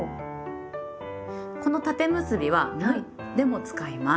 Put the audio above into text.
この「縦結び」は「む」でも使います。